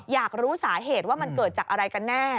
อยากรู้สาเหตุว่ามันเกิดจากอะไรกันแน่